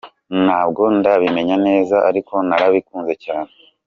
Ntabwo ndabimenya neza ariko narabikunze cyane.